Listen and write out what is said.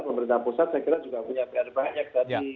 pemerintah pusat saya kira punya pr banyak